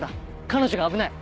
彼女が危ない！